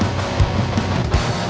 eh eva mau gak